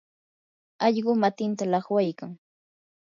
allqu matinta llaqwaykan.